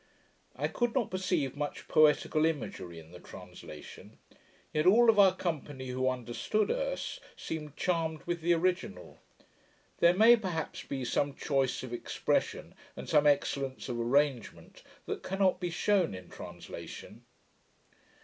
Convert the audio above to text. I could not perceive much poetical imagery in the translation. Yet all of our company who understood Erse, seemed charmed with the original. There may, perhaps, be some choice of expression, and some excellence of arrangement, that cannot be shewn in translation.